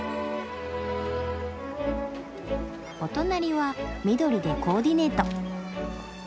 お隣は緑でコーディネート。